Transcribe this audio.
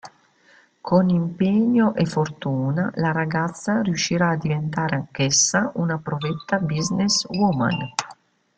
Con impegno e fortuna la ragazza riuscirà a diventare anch'essa una provetta "business woman".